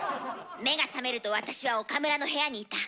目が覚めると私は岡村の部屋にいた。